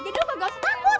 jadi aku gak usah takut